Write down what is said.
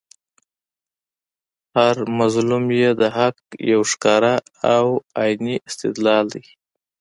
هر مظلوم ئې د حق یو ښکاره او عیني استدلال دئ